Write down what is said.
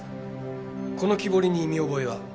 この木彫りに見覚えは？